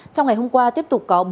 trong ngày hôm qua tiếp tục có